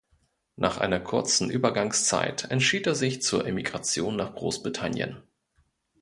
Nach einer kurzen Übergangszeit entschied er sich zur Emigration nach Großbritannien.